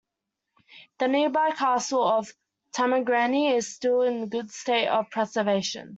The nearby castle of Tuamgraney is still in a good state of preservation.